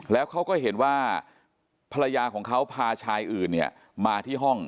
แล้วเขาก็เห็นว่าภรรยาของเขาพาชายอื่นเนี่ยมาที่ห้อง